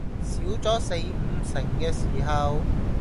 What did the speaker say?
少咗四五成嘅時候